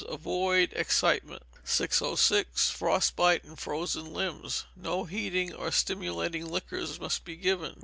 Avoid excitement. 606. Frost Bite and Frozen Limbs. No heating or stimulating liquors must be given.